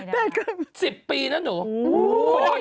ไม่ได้ครับสิบปีนะหนูโอ้โฮดี